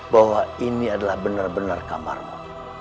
bahwa ini adalah benar benar kamarmu